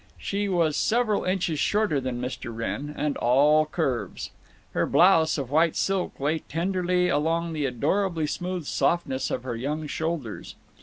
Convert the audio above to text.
She was several inches shorter than Mr. Wrenn, and all curves. Her blouse of white silk lay tenderly along the adorably smooth softness of her young shoulders.